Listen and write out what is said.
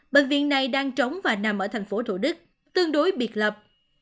bệnh viện này đang trống và nằm ở thành phố thủ đức tương đối biệt lập